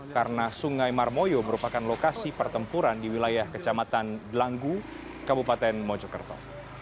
karena sungai marmoyo merupakan lokasi pertempuran di wilayah kecamatan delangu kabupaten mojokerto